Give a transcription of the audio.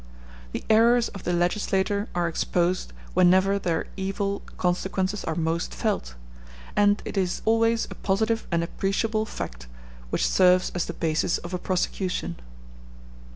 The errors of the legislator are exposed whenever their evil consequences are most felt, and it is always a positive and appreciable fact which serves as the basis of a prosecution.